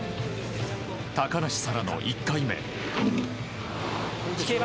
高梨沙羅の１回目。